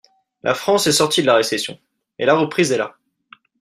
La France est sortie de la récession, et la reprise est là